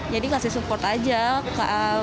jadi kasih support aja